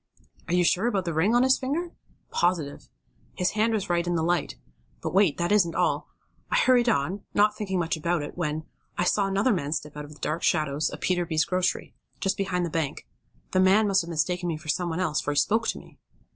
"Are you sure about the ring on his finger?" "Positive. His hand was right in the light. But wait, that isn't all. I hurried on, not thinking much about it, when, I saw another man step out of the dark shadows of Peterby's grocery, just beyond the bank. The man must have mistaken me for some one else, for he spoke to me."